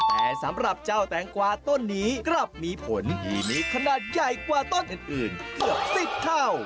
แต่สำหรับเจ้าแตงกวาต้นนี้กลับมีผลที่มีขนาดใหญ่กว่าต้นอื่นเกือบ๑๐เท่า